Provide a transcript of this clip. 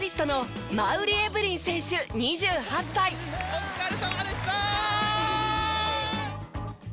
お疲れさまでした！